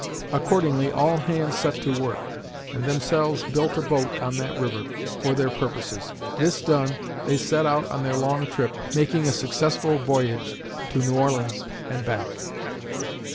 Accordingly all hands set to work, and themselves built a boat on that river, for their purposes. This done, they set out on their long trip, making a successful voyage to New Orleans and back."